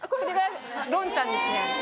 ロンちゃんです。